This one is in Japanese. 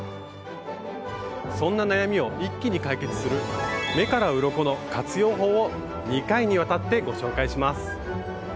そんな悩みを一気に解決する「目からうろこ」の活用法を２回にわたってご紹介します！